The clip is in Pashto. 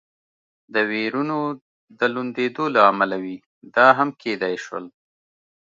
د وېرونو د لوندېدو له امله وي، دا هم کېدای شول.